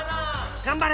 頑張れ！